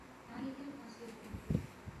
کھیان٘ی دینگ نُو تنگسے یودپی اِنسُوک